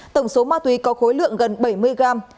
tổng số ma túy có khối lượng gần bảy mươi gram